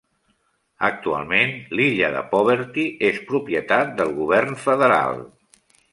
Actualment, l'illa de Poverty és propietat del govern federal.